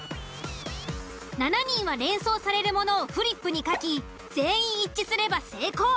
７人は連想されるものをフリップに書き全員一致すれば成功。